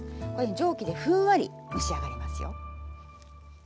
蒸気でふんわり蒸し上がりますよ。